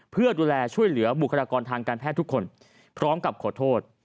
เพื่อดูแลช่วยเหลือบุคลากรทางการแพทย์ทุกคนพร้อมกับขอโทษ